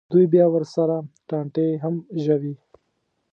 دوی بیا ورسره ټانټې هم ژووي.